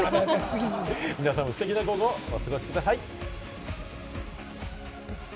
皆さんもステキな午後をお過ごしください。